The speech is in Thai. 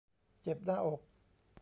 เจ็บหน้าอก